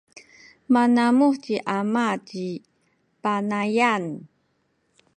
manamuh ci ama ci Panayan.